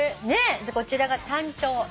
こちらがタンチョウ。